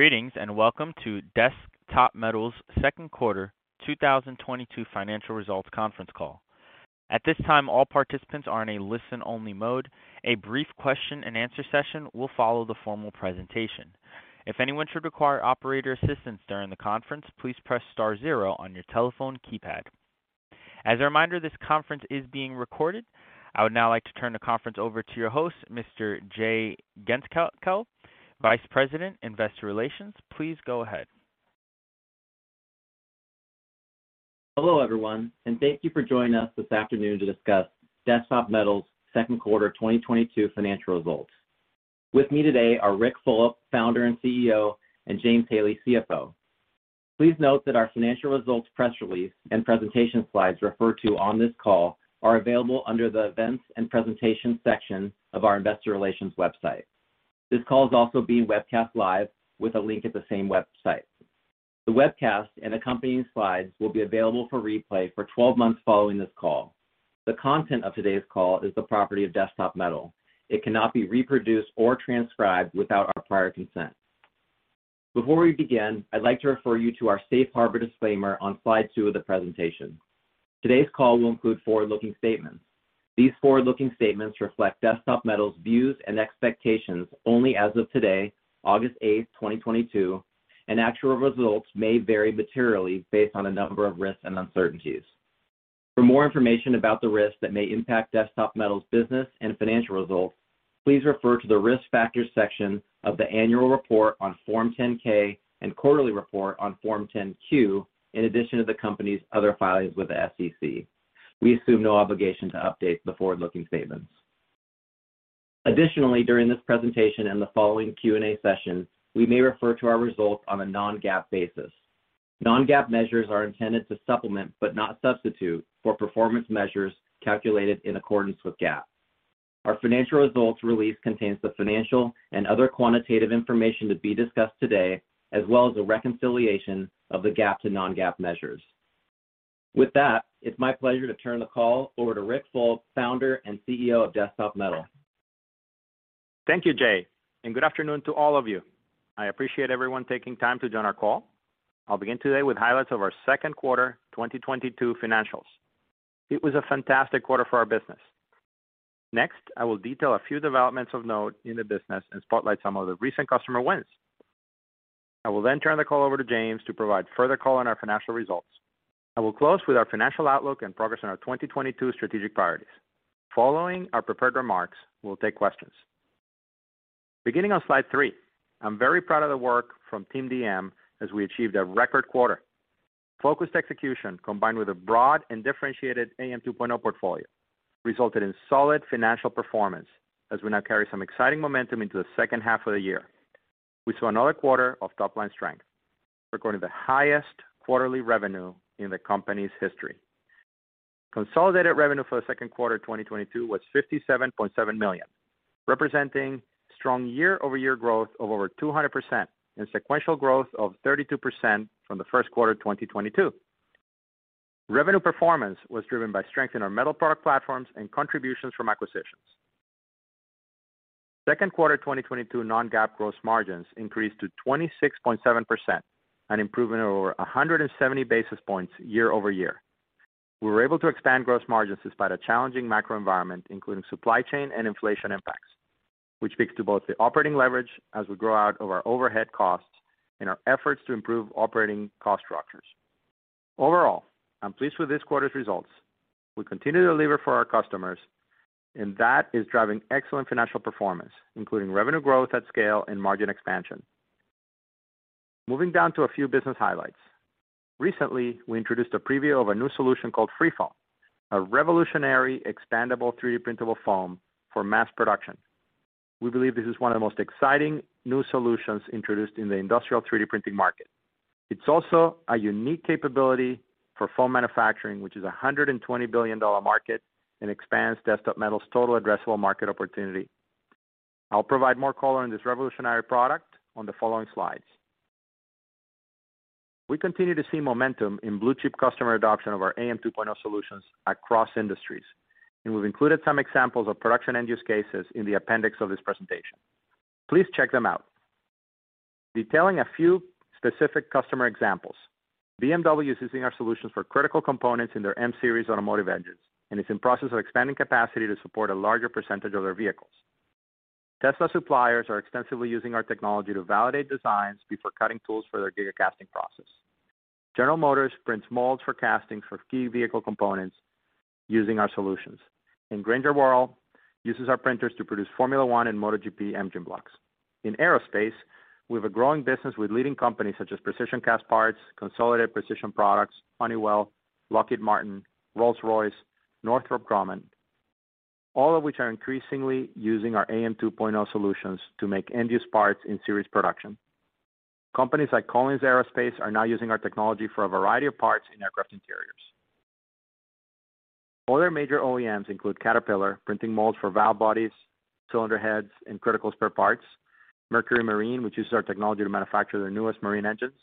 Greetings, and welcome to Desktop Metal's Second Quarter 2022 Financial Results Conference Call. At this time, all participants are in a listen-only mode. A brief question-and-answer session will follow the formal presentation. If anyone should require operator assistance during the conference, please press star zero on your telephone keypad. As a reminder, this conference is being recorded. I would now like to turn the conference over to your host, Mr. Jay Gentzkow, Vice President, Investor Relations. Please go ahead. Hello, everyone, and thank you for joining us this afternoon to discuss Desktop Metal's second quarter 2022 financial results. With me today are Ric Fulop, Founder and CEO, and James Haley, CFO. Please note that our financial results press release and presentation slides referred to on this call are available under the Events and Presentation section of our investor relations website. This call is also being webcast live with a link at the same website. The webcast and accompanying slides will be available for replay for 12 months following this call. The content of today's call is the property of Desktop Metal. It cannot be reproduced or transcribed without our prior consent. Before we begin, I'd like to refer you to our Safe Harbor disclaimer on slide two of the presentation. Today's call will include forward-looking statements. These forward-looking statements reflect Desktop Metal's views and expectations only as of today, August 8, 2022, and actual results may vary materially based on a number of risks and uncertainties. For more information about the risks that may impact Desktop Metal's business and financial results, please refer to the Risk Factors section of the annual report on Form 10-K and quarterly report on Form 10-Q, in addition to the company's other filings with the SEC. We assume no obligation to update the forward-looking statements. Additionally, during this presentation and the following Q&A session, we may refer to our results on a non-GAAP basis. Non-GAAP measures are intended to supplement, but not substitute, for performance measures calculated in accordance with GAAP. Our financial results release contains the financial and other quantitative information to be discussed today, as well as a reconciliation of the GAAP to non-GAAP measures. With that, it's my pleasure to turn the call over to Ric Fulop, Founder and CEO of Desktop Metal. Thank you, Jay, and good afternoon to all of you. I appreciate everyone taking time to join our call. I'll begin today with highlights of our second quarter 2022 financials. It was a fantastic quarter for our business. Next, I will detail a few developments of note in the business and spotlight some of the recent customer wins. I will then turn the call over to James to provide further color on our financial results. I will close with our financial outlook and progress on our 2022 strategic priorities. Following our prepared remarks, we'll take questions. Beginning on slide three, I'm very proud of the work from Team DM as we achieved a record quarter. Focused execution combined with a broad and differentiated AM 2.0 portfolio resulted in solid financial performance as we now carry some exciting momentum into the second half of the year. We saw another quarter of top-line strength, recording the highest quarterly revenue in the company's history. Consolidated revenue for the second quarter 2022 was $57.7 million, representing strong year-over-year growth of over 200% and sequential growth of 32% from the first quarter 2022. Revenue performance was driven by strength in our metal product platforms and contributions from acquisitions. Second quarter 2022 non-GAAP gross margins increased to 26.7%, an improvement over 170 basis points year-over-year. We were able to expand gross margins despite a challenging macro environment, including supply chain and inflation impacts, which speaks to both the operating leverage as we grow out of our overhead costs and our efforts to improve operating cost structures. Overall, I'm pleased with this quarter's results. We continue to deliver for our customers, and that is driving excellent financial performance, including revenue growth at scale and margin expansion. Moving down to a few business highlights. Recently, we introduced a preview of a new solution called FreeFoam, a revolutionary expandable 3D printable foam for mass production. We believe this is one of the most exciting new solutions introduced in the industrial 3D printing market. It's also a unique capability for foam manufacturing, which is a $120 billion market, and expands Desktop Metal's total addressable market opportunity. I'll provide more color on this revolutionary product on the following slides. We continue to see momentum in blue chip customer adoption of our AM 2.0 solutions across industries, and we've included some examples of production end use cases in the appendix of this presentation. Please check them out. Detailing a few specific customer examples. BMW is using our solutions for critical components in their M-Series automotive engines and is in process of expanding capacity to support a larger percentage of their vehicles. Tesla suppliers are extensively using our technology to validate designs before cutting tools for their gigacasting process. General Motors prints molds for castings for key vehicle components using our solutions. Grainger & Worrall uses our printers to produce Formula One and MotoGP engine blocks. In aerospace, we have a growing business with leading companies such as Precision Castparts, Consolidated Precision Products, Honeywell, Lockheed Martin, Rolls-Royce, Northrop Grumman, all of which are increasingly using our AM 2.0 solutions to make end use parts in series production. Companies like Collins Aerospace are now using our technology for a variety of parts in aircraft interiors. Other major OEMs include Caterpillar, printing molds for valve bodies, cylinder heads, and critical spare parts. Mercury Marine, which uses our technology to manufacture their newest marine engines,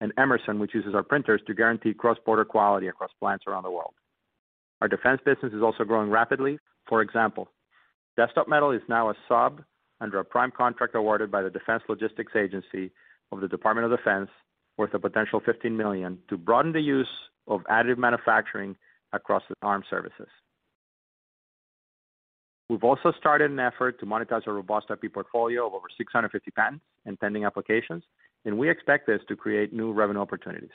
and Emerson, which uses our printers to guarantee cross-border quality across plants around the world. Our defense business is also growing rapidly. For example, Desktop Metal is now a sub under a prime contract awarded by the Defense Logistics Agency of the Department of Defense, worth a potential $15 million to broaden the use of additive manufacturing across the armed services. We've also started an effort to monetize a robust IP portfolio of over 650 patents and pending applications, and we expect this to create new revenue opportunities.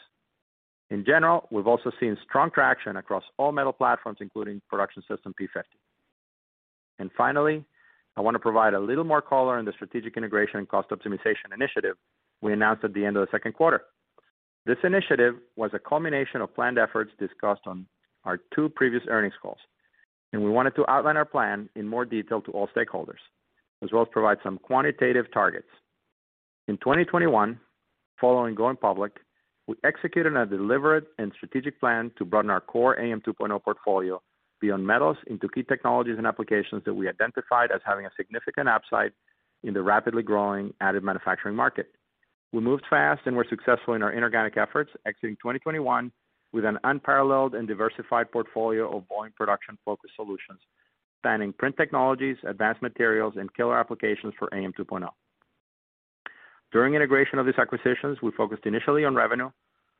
In general, we've also seen strong traction across all metal platforms, including Production System P-50. Finally, I want to provide a little more color on the strategic integration and cost optimization initiative we announced at the end of the second quarter. This initiative was a culmination of planned efforts discussed on our two previous earnings calls, and we wanted to outline our plan in more detail to all stakeholders, as well as provide some quantitative targets. In 2021, following going public, we executed a deliberate and strategic plan to broaden our core AM 2.0 portfolio beyond metals into key technologies and applications that we identified as having a significant upside in the rapidly growing additive manufacturing market. We moved fast and were successful in our inorganic efforts, exiting 2021 with an unparalleled and diversified portfolio of volume production-focused solutions spanning print technologies, advanced materials, and killer applications for AM 2.0. During integration of these acquisitions, we focused initially on revenue,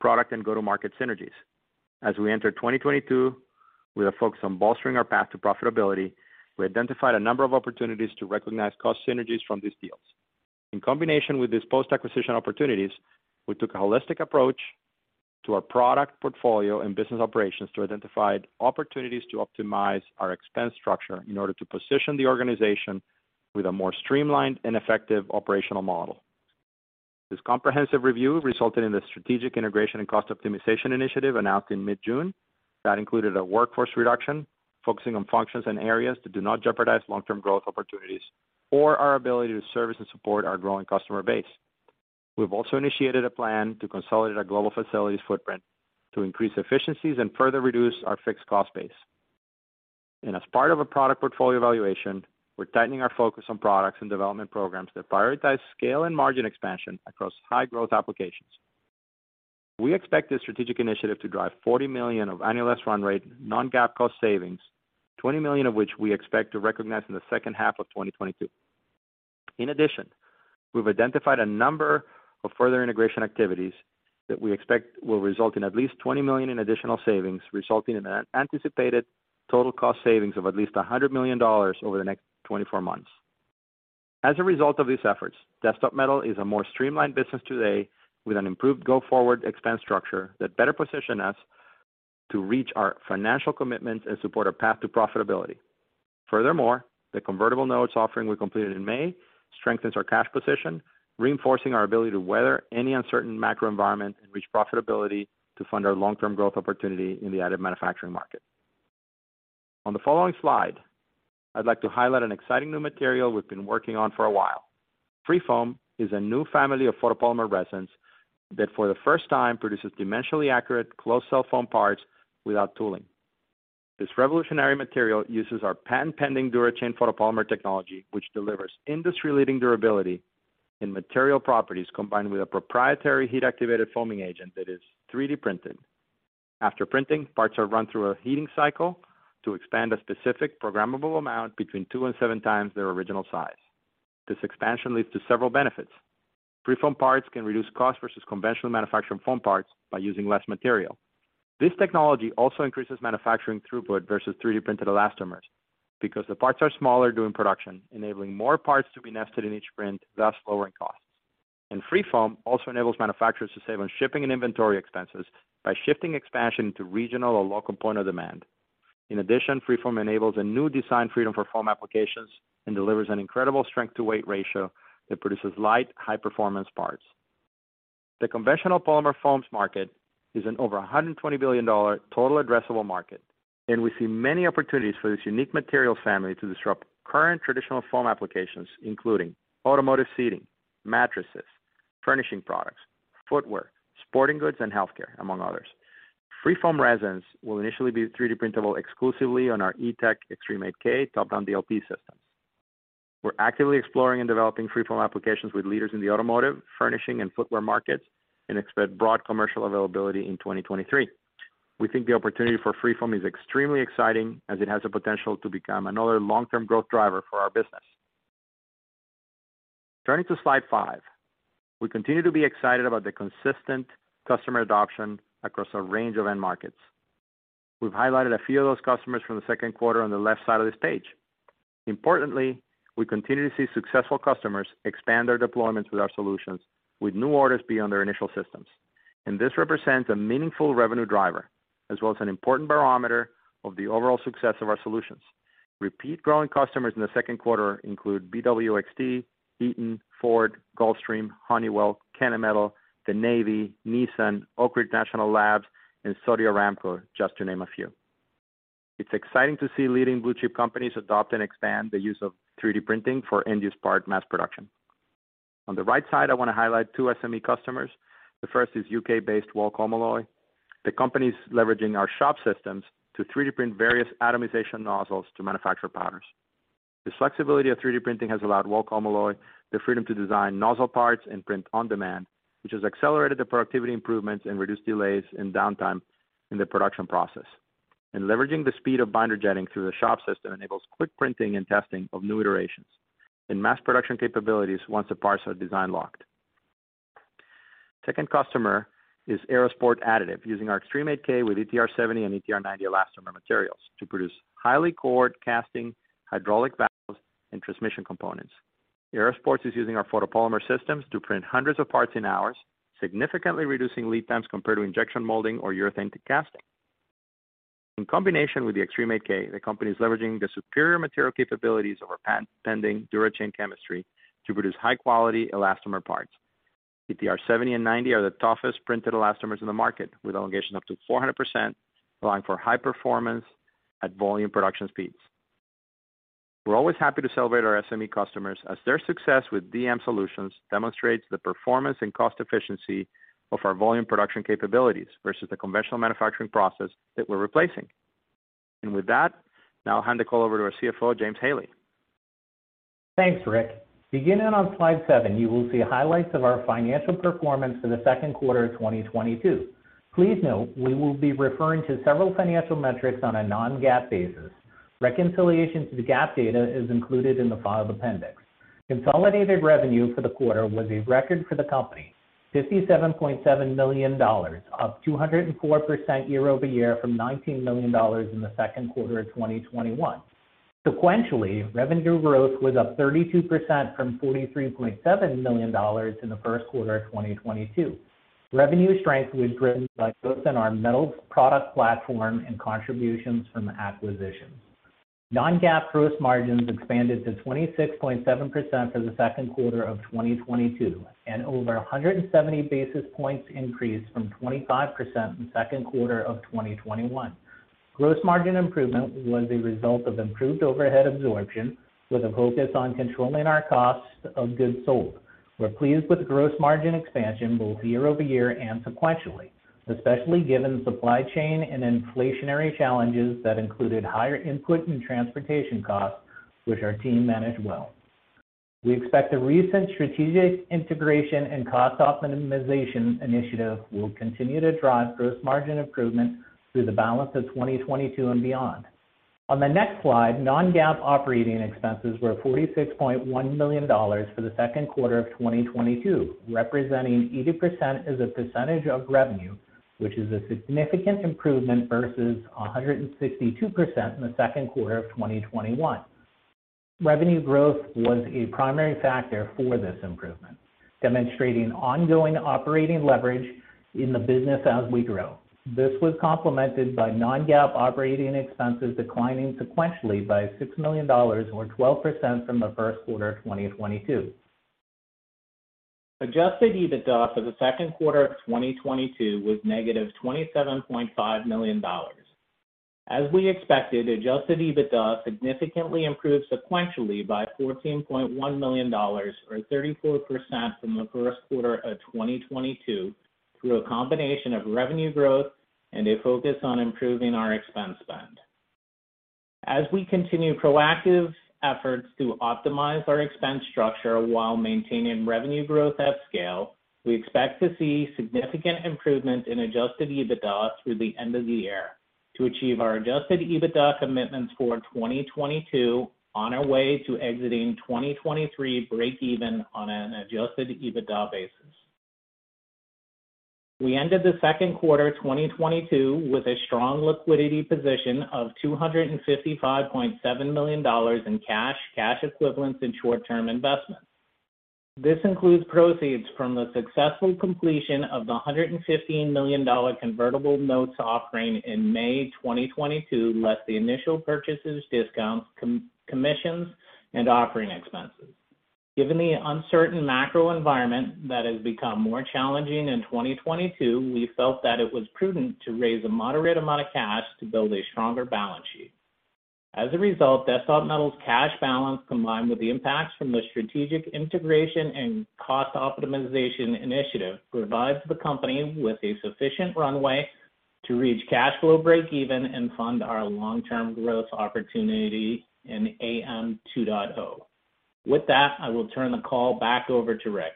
product and go-to-market synergies. As we enter 2022 with a focus on bolstering our path to profitability, we identified a number of opportunities to recognize cost synergies from these deals. In combination with these post-acquisition opportunities, we took a holistic approach to our product portfolio and business operations to identify opportunities to optimize our expense structure in order to position the organization with a more streamlined and effective operational model. This comprehensive review resulted in the strategic integration and cost optimization initiative announced in mid-June that included a workforce reduction, focusing on functions and areas that do not jeopardize long-term growth opportunities or our ability to service and support our growing customer base. We've also initiated a plan to consolidate our global facilities footprint to increase efficiencies and further reduce our fixed cost base. As part of a product portfolio evaluation, we're tightening our focus on products and development programs that prioritize scale and margin expansion across high-growth applications. We expect this strategic initiative to drive $40 million of annualized run rate non-GAAP cost savings, $20 million of which we expect to recognize in the second half of 2022. In addition, we've identified a number of further integration activities that we expect will result in at least $20 million in additional savings, resulting in an anticipated total cost savings of at least $100 million over the next 24 months. As a result of these efforts, Desktop Metal is a more streamlined business today with an improved go-forward expense structure that better position us to reach our financial commitments and support our path to profitability. Furthermore, the convertible notes offering we completed in May strengthens our cash position, reinforcing our ability to weather any uncertain macro environment and reach profitability to fund our long-term growth opportunity in the additive manufacturing market. On the following slide, I'd like to highlight an exciting new material we've been working on for a while. FreeFoam is a new family of photopolymer resins that for the first time produces dimensionally accurate closed cell foam parts without tooling. This revolutionary material uses our patent-pending DuraChain photopolymer technology, which delivers industry-leading durability and material properties combined with a proprietary heat-activated foaming agent that is 3D printed. After printing, parts are run through a heating cycle to expand a specific programmable amount between two and seven times their original size. This expansion leads to several benefits. FreeFoam parts can reduce cost versus conventional manufacturing foam parts by using less material. This technology also increases manufacturing throughput versus 3D printed elastomers because the parts are smaller during production, enabling more parts to be nested in each print, thus lowering costs. FreeFoam also enables manufacturers to save on shipping and inventory expenses by shifting expansion to regional or local point of demand. In addition, FreeFoam enables a new design freedom for foam applications and delivers an incredible strength-to-weight ratio that produces light, high-performance parts. The conventional polymer foams market is over $120 billion total addressable market, and we see many opportunities for this unique material family to disrupt current traditional foam applications, including automotive seating, mattresses, furnishing products, footwear, sporting goods, and healthcare, among others. FreeFoam resins will initially be 3D printable exclusively on our ETEC Xtreme 8K top-down DLP systems. We're actively exploring and developing FreeFoam applications with leaders in the automotive, furnishing, and footwear markets, and expect broad commercial availability in 2023. We think the opportunity for FreeFoam is extremely exciting as it has the potential to become another long-term growth driver for our business. Turning to slide five. We continue to be excited about the consistent customer adoption across a range of end markets. We've highlighted a few of those customers from the second quarter on the left side of this page. Importantly, we continue to see successful customers expand their deployments with our solutions with new orders beyond their initial systems. This represents a meaningful revenue driver as well as an important barometer of the overall success of our solutions. Repeat growing customers in the second quarter include BWXT, Eaton, Ford, Gulfstream, Honeywell, Kennametal, the Navy, Nissan, Oak Ridge National Laboratory, and Saudi Aramco, just to name a few. It's exciting to see leading blue-chip companies adopt and expand the use of 3D printing for end-use part mass production. On the right side, I want to highlight two SME customers. The first is U.K.-based Wall Colmonoy. The company is leveraging our Shop System to 3D print various atomization nozzles to manufacture powders. The flexibility of 3D printing has allowed Wall Colmonoy the freedom to design nozzle parts and print on demand, which has accelerated the productivity improvements and reduced delays and downtime in the production process. Leveraging the speed of binder jetting through the Shop System enables quick printing and testing of new iterations and mass production capabilities once the parts are design locked. Second customer is Aerosport Additive, using our Xtreme 8K with ETR 70 and ETR 90 elastomer materials to produce highly cored castings, hydraulic valves, and transmission components. Aerosport Additive is using our photopolymer systems to print hundreds of parts in hours, significantly reducing lead times compared to injection molding or urethane casting. In combination with the Xtreme 8K, the company is leveraging the superior material capabilities of our patent-pending DuraChain chemistry to produce high quality elastomer parts. ETR 70 and 90 are the toughest printed elastomers in the market, with elongation up to 400%, allowing for high performance at volume production speeds. We're always happy to celebrate our SME customers as their success with DM Solutions demonstrates the performance and cost efficiency of our volume production capabilities versus the conventional manufacturing process that we're replacing. With that, now I'll hand the call over to our CFO, James Haley. Thanks, Rick. Beginning on slide seven, you will see highlights of our financial performance for the second quarter of 2022. Please note, we will be referring to several financial metrics on a non-GAAP basis. Reconciliation to the GAAP data is included in the filed appendix. Consolidated revenue for the quarter was a record for the company, $57.7 million, up 204% year-over-year from $19 million in the second quarter of 2021. Sequentially, revenue growth was up 32% from $43.7 million in the first quarter of 2022. Revenue strength was driven by both in our metals product platform and contributions from acquisitions. Non-GAAP gross margins expanded to 26.7% for the second quarter of 2022 and over 170 basis points increase from 25% in second quarter of 2021. Gross margin improvement was a result of improved overhead absorption with a focus on controlling our costs of goods sold. We're pleased with gross margin expansion both year-over-year and sequentially, especially given supply chain and inflationary challenges that included higher input and transportation costs, which our team managed well. We expect the recent strategic integration and cost optimization initiative will continue to drive gross margin improvement through the balance of 2022 and beyond. On the next slide, non-GAAP operating expenses were $46.1 million for the second quarter of 2022, representing 80% as a percentage of revenue, which is a significant improvement versus 162% in the second quarter of 2021. Revenue growth was a primary factor for this improvement, demonstrating ongoing operating leverage in the business as we grow. This was complemented by non-GAAP operating expenses declining sequentially by $6 million or 12% from the first quarter of 2022. Adjusted EBITDA for the second quarter of 2022 was negative $27.5 million. As we expected, adjusted EBITDA significantly improved sequentially by $14.1 million or 34% from the first quarter of 2022 through a combination of revenue growth and a focus on improving our expense spend. As we continue proactive efforts to optimize our expense structure while maintaining revenue growth at scale, we expect to see significant improvement in adjusted EBITDA through the end of the year to achieve our adjusted EBITDA commitments for 2022 on our way to exiting 2023 breakeven on an adjusted EBITDA basis. We ended the second quarter 2022 with a strong liquidity position of $255.7 million in cash equivalents, and short-term investments. This includes proceeds from the successful completion of the $115 million convertible notes offering in May 2022, less the initial purchases, discounts, commissions, and offering expenses. Given the uncertain macro environment that has become more challenging in 2022, we felt that it was prudent to raise a moderate amount of cash to build a stronger balance sheet. As a result, Desktop Metal's cash balance, combined with the impacts from the strategic integration and cost optimization initiative, provides the company with a sufficient runway to reach cash flow breakeven and fund our long-term growth opportunity in AM 2.0. With that, I will turn the call back over to Rick.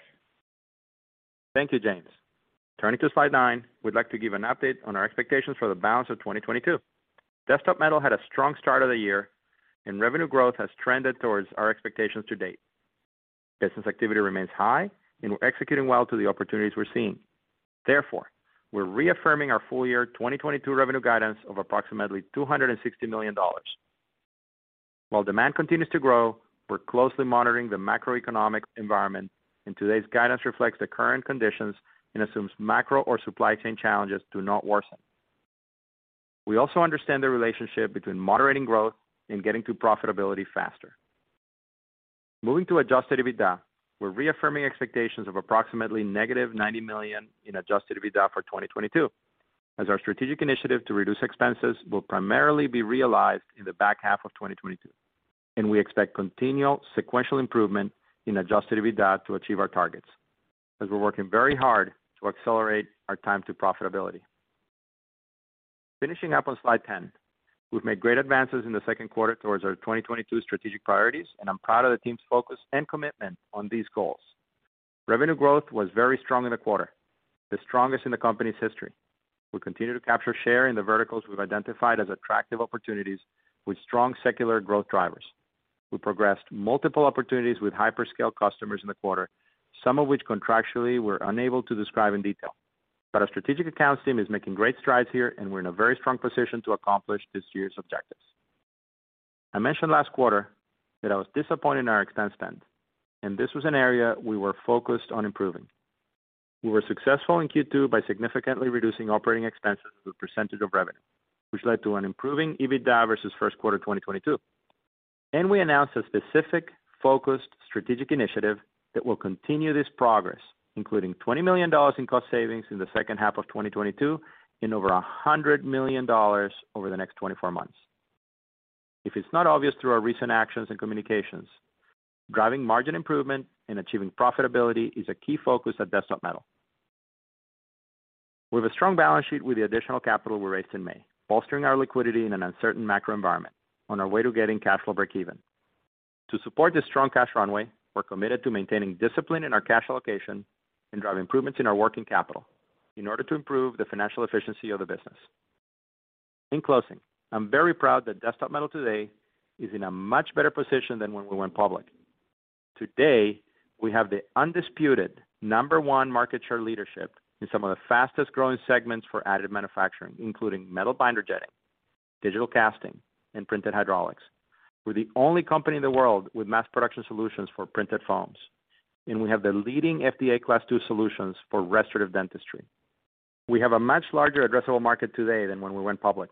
Thank you, James. Turning to slide nine, we'd like to give an update on our expectations for the balance of 2022. Desktop Metal had a strong start of the year, and revenue growth has trended towards our expectations to date. Business activity remains high and we're executing well to the opportunities we're seeing. Therefore, we're reaffirming our full-year 2022 revenue guidance of approximately $260 million. While demand continues to grow, we're closely monitoring the macroeconomic environment, and today's guidance reflects the current conditions and assumes macro or supply chain challenges do not worsen. We also understand the relationship between moderating growth and getting to profitability faster. Moving to adjusted EBITDA, we're reaffirming expectations of approximately $-90 million in adjusted EBITDA for 2022 as our strategic initiative to reduce expenses will primarily be realized in the back half of 2022. We expect continual sequential improvement in adjusted EBITDA to achieve our targets as we're working very hard to accelerate our time to profitability. Finishing up on slide 10. We've made great advances in the second quarter towards our 2022 strategic priorities, and I'm proud of the team's focus and commitment on these goals. Revenue growth was very strong in the quarter, the strongest in the company's history. We continue to capture share in the verticals we've identified as attractive opportunities with strong secular growth drivers. We progressed multiple opportunities with hyperscale customers in the quarter, some of which contractually we're unable to describe in detail. Our strategic accounts team is making great strides here, and we're in a very strong position to accomplish this year's objectives. I mentioned last quarter that I was disappointed in our expense spend, and this was an area we were focused on improving. We were successful in Q2 by significantly reducing operating expenses as a percentage of revenue, which led to an improving EBITDA versus first quarter 2022. We announced a specific, focused strategic initiative that will continue this progress, including $20 million in cost savings in the second half of 2022 and over $100 million over the next 24 months. If it's not obvious through our recent actions and communications, driving margin improvement and achieving profitability is a key focus at Desktop Metal. We have a strong balance sheet with the additional capital we raised in May, bolstering our liquidity in an uncertain macro environment on our way to getting cash flow breakeven. To support this strong cash runway, we're committed to maintaining discipline in our cash allocation and drive improvements in our working capital in order to improve the financial efficiency of the business. In closing, I'm very proud that Desktop Metal today is in a much better position than when we went public. Today, we have the undisputed number one market share leadership in some of the fastest-growing segments for additive manufacturing, including metal binder jetting, digital casting, and printed hydraulics. We're the only company in the world with mass production solutions for printed foams, and we have the leading FDA Class II solutions for restorative dentistry. We have a much larger addressable market today than when we went public.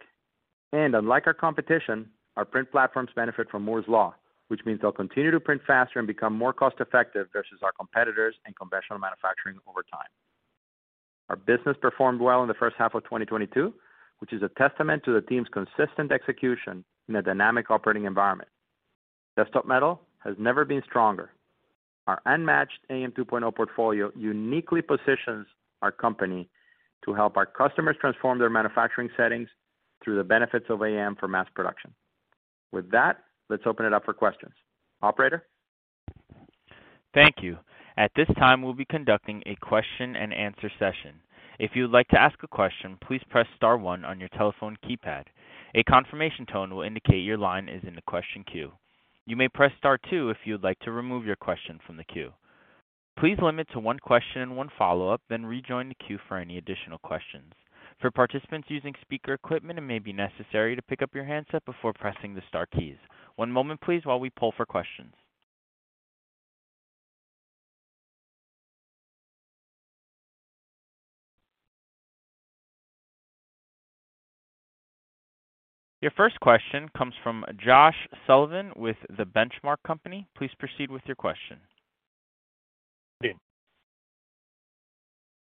Unlike our competition, our print platforms benefit from Moore's Law, which means they'll continue to print faster and become more cost-effective versus our competitors and conventional manufacturing over time. Our business performed well in the first half of 2022, which is a testament to the team's consistent execution in a dynamic operating environment. Desktop Metal has never been stronger. Our unmatched AM 2.0 portfolio uniquely positions our company to help our customers transform their manufacturing settings through the benefits of AM for mass production. With that, let's open it up for questions. Operator? Thank you. At this time, we'll be conducting a question and answer session. If you would like to ask a question, please press star one on your telephone keypad. A confirmation tone will indicate your line is in the question queue. You may press star two if you would like to remove your question from the queue. Please limit to one question and one follow-up, then rejoin the queue for any additional questions. For participants using speaker equipment, it may be necessary to pick up your handset before pressing the star keys. One moment, please, while we pull for questions. Your first question comes from Josh Sullivan with The Benchmark Company. Please proceed with your question.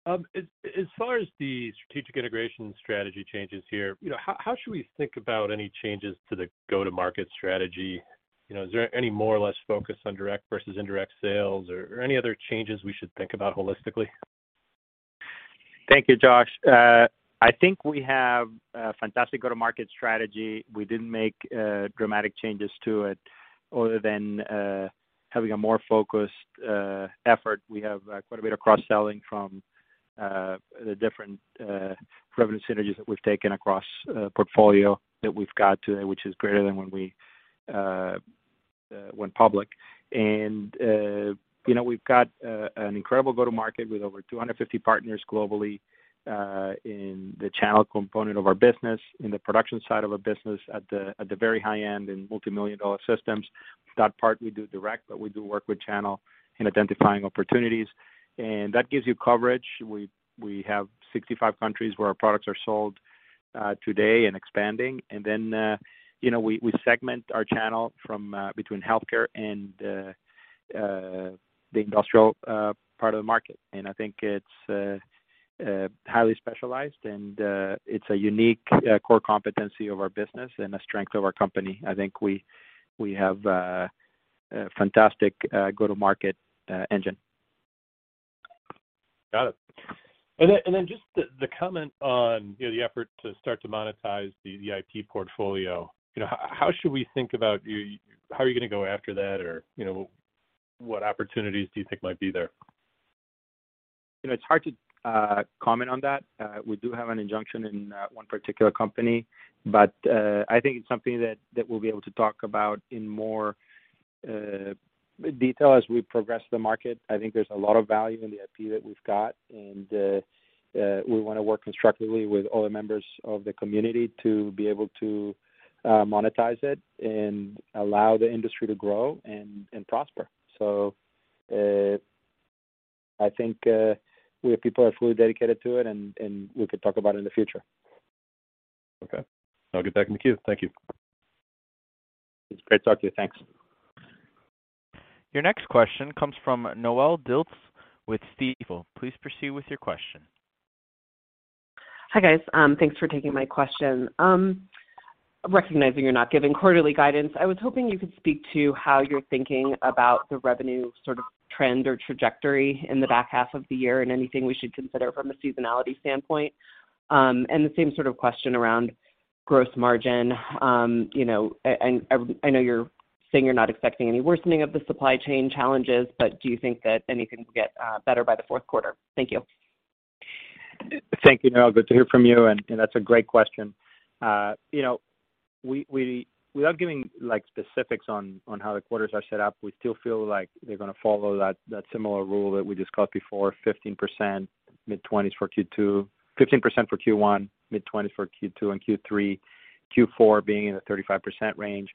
As far as the strategic integration strategy changes here, you know, how should we think about any changes to the go-to-market strategy? You know, is there any more or less focus on direct versus indirect sales or any other changes we should think about holistically? Thank you, Josh. I think we have a fantastic go-to-market strategy. We didn't make dramatic changes to it other than having a more focused effort. We have quite a bit of cross-selling from the different revenue synergies that we've taken across portfolio that we've got today, which is greater than when we went public. You know, we've got an incredible go-to-market with over 250 partners globally in the channel component of our business, in the production side of our business at the very high-end and multimillion-dollar systems. That part we do direct, but we do work with channel in identifying opportunities, and that gives you coverage. We have 65 countries where our products are sold today and expanding. You know, we segment our channel between healthcare and the industrial part of the market. I think it's highly specialized and it's a unique core competency of our business and a strength of our company. I think we have a fantastic go-to-market engine. Got it. Just the comment on, you know, the effort to start to monetize the IP portfolio. You know, how should we think about you. How are you going to go after that? Or, you know, what opportunities do you think might be there? You know, it's hard to comment on that. We do have an injunction in one particular company, but I think it's something that we'll be able to talk about in more detail as we progress the market. I think there's a lot of value in the IP that we've got, and we want to work constructively with all the members of the community to be able to monetize it and allow the industry to grow and prosper. I think we have people are fully dedicated to it and we could talk about it in the future. Okay. I'll get back in the queue. Thank you. It's great talking to you. Thanks. Your next question comes from Noelle Dilts with Stifel. Please proceed with your question. Hi, guys. Thanks for taking my question. Recognizing you're not giving quarterly guidance, I was hoping you could speak to how you're thinking about the revenue sort of trend or trajectory in the back half of the year and anything we should consider from a seasonality standpoint. The same sort of question around gross margin. You know, and I know you're saying you're not expecting any worsening of the supply chain challenges, but do you think that anything will get better by the fourth quarter? Thank you. Thank you, Noelle. Good to hear from you, and that's a great question. You know, we, without giving like specifics on how the quarters are set up, we still feel like they're gonna follow that similar rule that we discussed before, 15%, mid-20s% for Q2. 15% for Q1, mid-20s% for Q2 and Q3. Q4 being in the 35% range.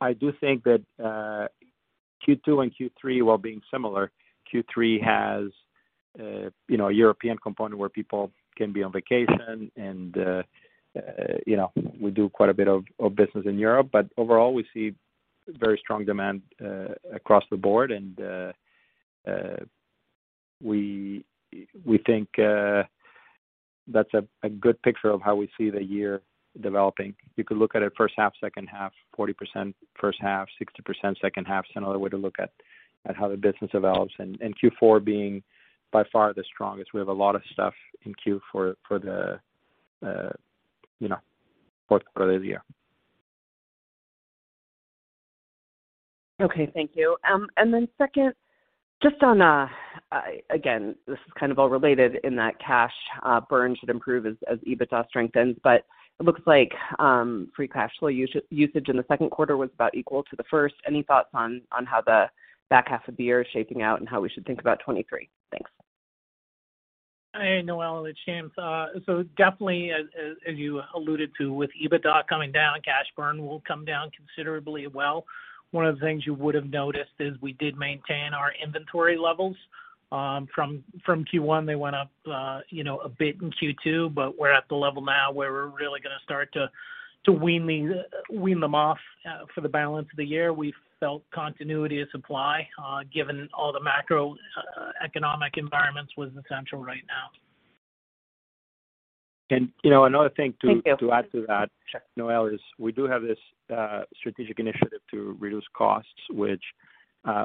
I do think that Q2 and Q3, while being similar, Q3 has you know, a European component where people can be on vacation and you know, we do quite a bit of business in Europe, but overall, we see very strong demand across the board and we think that's a good picture of how we see the year developing. You could look at it first half, second half, 40% first half, 60% second half is another way to look at how the business develops. Q4 being by far the strongest. We have a lot of stuff in Q4 for the, you know, fourth quarter of the year. Okay, thank you. Second, just on, again, this is kind of all related in that cash burn should improve as EBITDA strengthens, but it looks like free cash flow usage in the second quarter was about equal to the first. Any thoughts on how the back half of the year is shaping out and how we should think about 2023? Thanks. Hey, Noelle, it's James. Definitely as you alluded to, with EBITDA coming down, cash burn will come down considerably well. One of the things you would have noticed is we did maintain our inventory levels from Q1. They went up you know a bit in Q2, but we're at the level now where we're really gonna start to wean them off for the balance of the year. We felt continuity of supply given all the macroeconomic environments was essential right now. You know, another thing to- Thank you. ...to add to that, Noelle, is that we do have this strategic initiative to reduce costs, which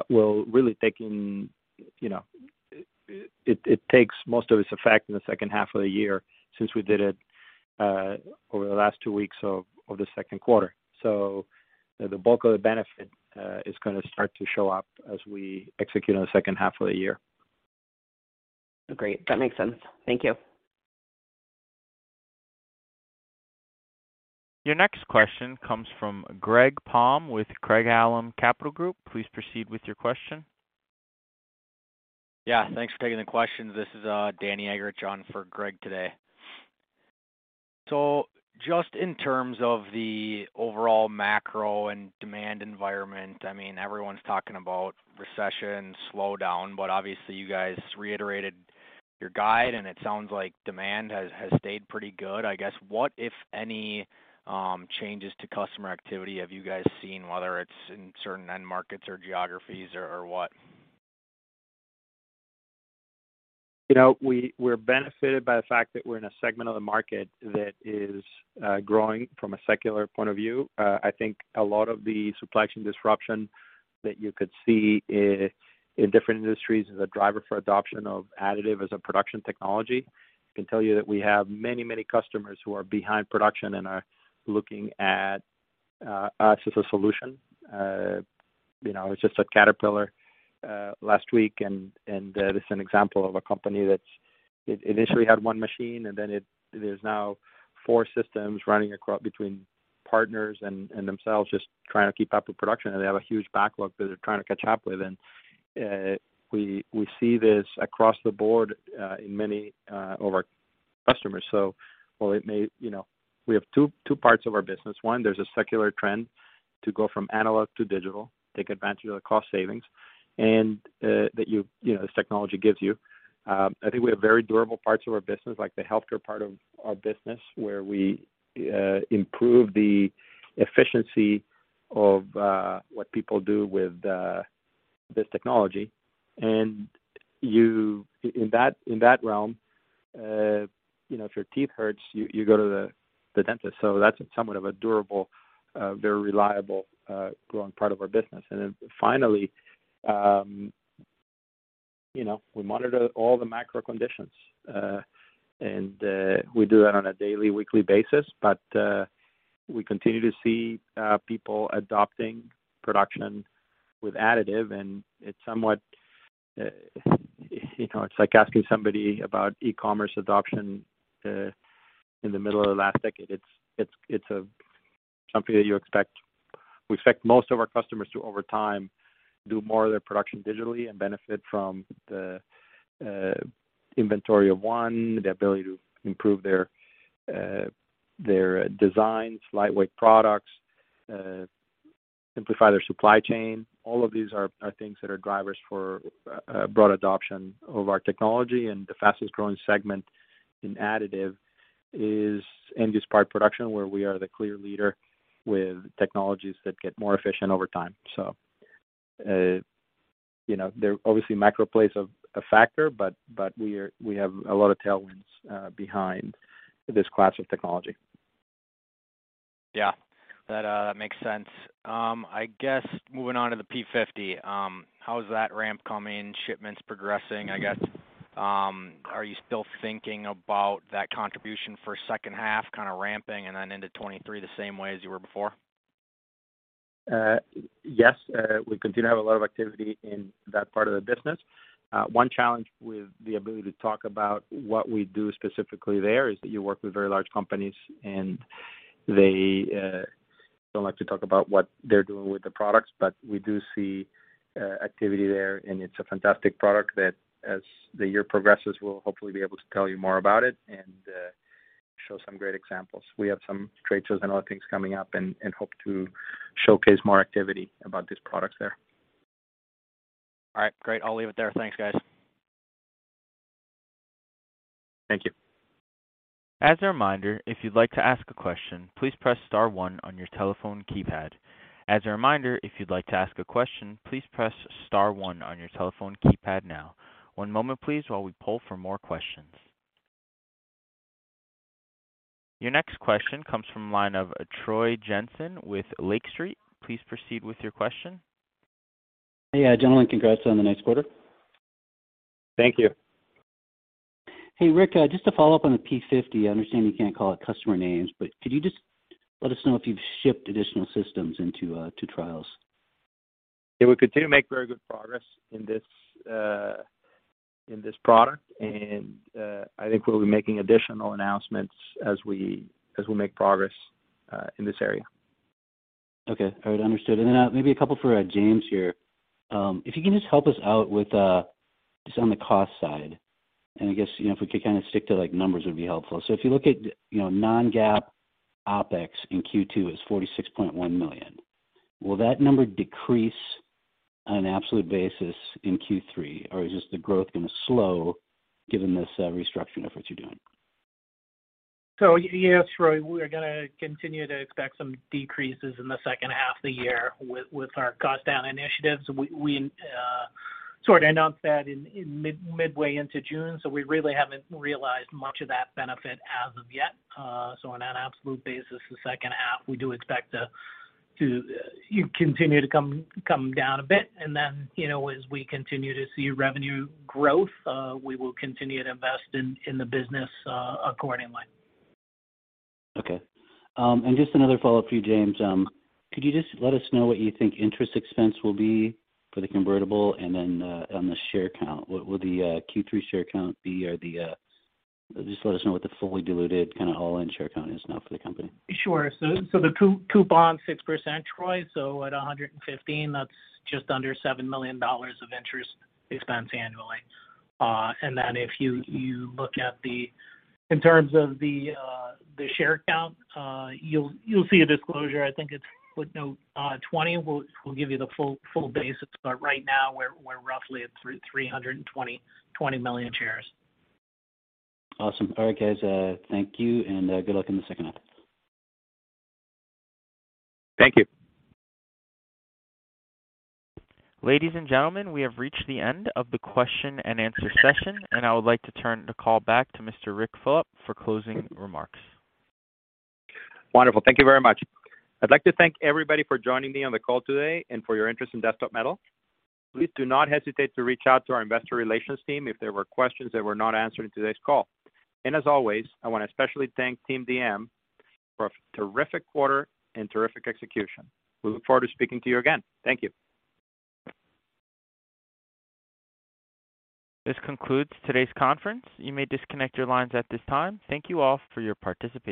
will really take effect in, you know, it takes most of its effect in the second half of the year since we did it over the last two weeks of the second quarter. So the bulk of the benefit is gonna start to show up as we execute on the second half of the year. Great. That makes sense. Thank you. Your next question comes from Greg Palm with Craig-Hallum Capital Group. Please proceed with your question. Yeah, thanks for taking the questions. This is Danny Eggerichs for Greg today. Just in terms of the overall macro and demand environment, I mean, everyone's talking about recession, slowdown, but obviously you guys reiterated your guide, and it sounds like demand has stayed pretty good. I guess what, if any, changes to customer activity have you guys seen, whether it's in certain end markets or geographies or what? You know, we're benefited by the fact that we're in a segment of the market that is growing from a secular point of view. I think a lot of the supply chain disruption that you could see in different industries is a driver for adoption of additive as a production technology. I can tell you that we have many customers who are behind production and are looking at us as a solution. You know, I was just at Caterpillar last week and this is an example of a company that's initially had one machine, and then there's now four systems running across between partners and themselves just trying to keep up with production. They have a huge backlog that they're trying to catch up with. We see this across the board in many of our customers. While it may. You know, we have two parts of our business. One, there's a secular trend to go from analog to digital, take advantage of the cost savings, and that you know this technology gives you. I think we have very durable parts of our business, like the healthcare part of our business, where we improve the efficiency of what people do with this technology. In that realm, you know, if your teeth hurts, you go to the dentist. That's somewhat of a durable very reliable growing part of our business. Finally, you know, we monitor all the macro conditions, and we do that on a daily, weekly basis, but we continue to see people adopting production with additive, and it's somewhat, you know, it's like asking somebody about e-commerce adoption in the middle of last decade. It's a company that you expect. We expect most of our customers to, over time, do more of their production digitally and benefit from the inventory of one, the ability to improve their designs, lightweight products, simplify their supply chain. All of these are things that are drivers for broad adoption of our technology. The fastest growing segment in additive is end-use part production, where we are the clear leader with technologies that get more efficient over time. You know, they're obviously macro plays are a factor, but we have a lot of tailwinds behind this class of technology. Yeah. That makes sense. I guess moving on to the P-50, how is that ramp coming, shipments progressing, I guess. Are you still thinking about that contribution for second half kinda ramping and then into 2023 the same way as you were before? Yes. We continue to have a lot of activity in that part of the business. One challenge with the ability to talk about what we do specifically there is that you work with very large companies, and they don't like to talk about what they're doing with the products. We do see activity there, and it's a fantastic product that as the year progresses, we'll hopefully be able to tell you more about it and show some great examples. We have some trade shows and other things coming up and hope to showcase more activity about these products there. All right. Great. I'll leave it there. Thanks, guys. Thank you. As a reminder, if you'd like to ask a question, please press star one on your telephone keypad. As a reminder, if you'd like to ask a question, please press star one on your telephone keypad now. One moment please while we poll for more questions. Your next question comes from the line of Troy Jensen with Lake Street. Please proceed with your question. Hey, gentlemen. Congrats on the next quarter. Thank you. Hey, Ric, just to follow up on the P-50, I understand you can't call out customer names, but could you just let us know if you've shipped additional systems into trials? Yeah, we continue to make very good progress in this product, and I think we'll be making additional announcements as we make progress in this area. Okay. All right. Understood. Then, maybe a couple for James here. If you can just help us out with just on the cost side. I guess, you know, if we could kinda stick to like numbers would be helpful. If you look at, you know, non-GAAP OpEx in Q2 is $46.1 million. Will that number decrease on an absolute basis in Q3? Is just the growth gonna slow given this restructuring efforts you're doing? Yes, Troy, we're gonna continue to expect some decreases in the second half of the year with our cost down initiatives. We sort of announced that in midway into June, so we really haven't realized much of that benefit as of yet. On an absolute basis, the second half, we do expect to continue to come down a bit. Then, you know, as we continue to see revenue growth, we will continue to invest in the business accordingly. Okay. Just another follow-up for you, James. Could you just let us know what you think interest expense will be for the convertible and then, on the share count? What will the Q3 share count be or, just let us know what the fully diluted kinda all-in share count is now for the company. Sure. The coupon, 6%, Troy. At 115, that's just under $7 million of interest expense annually. And then if you look at the share count, you'll see a disclosure. I think it's footnote 20. We'll give you the full basis. Right now we're roughly at 320 million shares. Awesome. All right, guys. Thank you and good luck in the second half. Thank you. Ladies and gentlemen, we have reached the end of the question and answer session, and I would like to turn the call back to Mr. Ric Fulop for closing remarks. Wonderful. Thank you very much. I'd like to thank everybody for joining me on the call today and for your interest in Desktop Metal. Please do not hesitate to reach out to our investor relations team if there were questions that were not answered in today's call. As always, I wanna especially thank Team DM for a terrific quarter and terrific execution. We look forward to speaking to you again. Thank you. This concludes today's conference. You may disconnect your lines at this time. Thank you all for your participation.